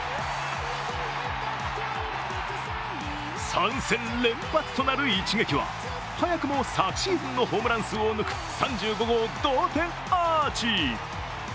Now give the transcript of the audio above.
３戦連発となる一撃は早くも昨シーズンのホームラン数を抜く３５号同点アーチ。